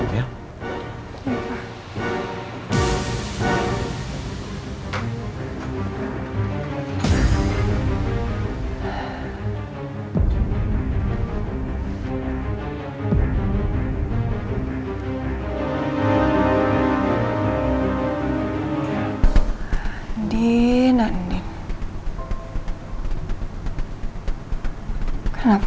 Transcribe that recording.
daulat di dalam whitening